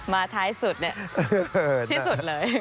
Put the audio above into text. มาท้ายสุดที่สุดเลย